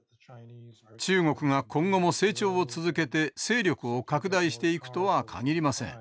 中国が今後も成長を続けて勢力を拡大していくとは限りません。